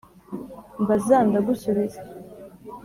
mbazza nda gusubiza